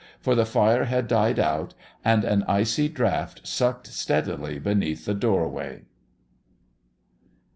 For the fire had died out, and an icy draught sucked steadily beneath the doorway.